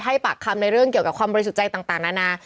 ให้ปากคำในเรื่องเกี่ยวกับความบริสุทธิ์ใจต่างนานา